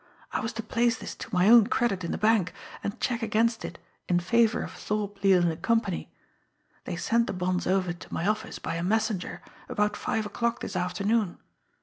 I was to place this to my own credit in the bank, and check against it in favour of Thorpe, LeLand and Company. They sent the bonds over to my office by a messenger about five o'clock this afternoon.